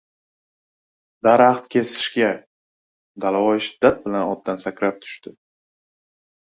— Daraxt kesishga! — Dalavoy shiddat bilan otdan sakrab tushdi.